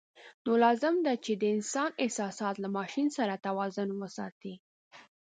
نو لازم ده چې د انسان احساسات له ماشین سره توازن وساتي.